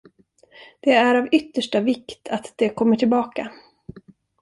Det är av yttersta vikt att det kommer tillbaka.